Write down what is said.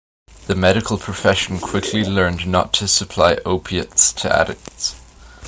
The medical profession quickly learned not to supply opiates to addicts.